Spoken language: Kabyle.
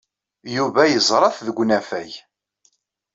Yuba yeẓra-t deg unafag.